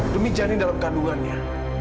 demi janin dalam kandungannya